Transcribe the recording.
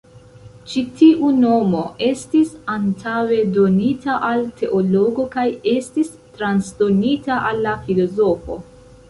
Ĉi tiu nomo estis antaŭe donita al teologo kaj estis transdonita al la filozofo.